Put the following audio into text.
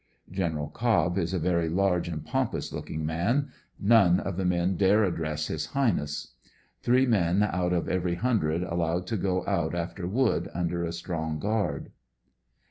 Gen. Cobb is a very large and pompous looking n.an. None of the men dare address his highness. Three men out of every hundred allowed to go out after wood under a strong guard.